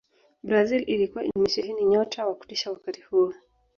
brazil ilikuwa imesheheni nyota wa kutisha wakati huo